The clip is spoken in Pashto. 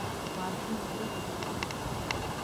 ماشوم ژر ویده کیږي.